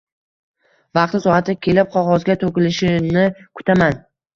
Vaqti-soati kelib qog‘ozga to‘kilishini kutaman